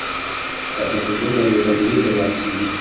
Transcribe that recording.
Tak satu pun dari obat ini bereaksi.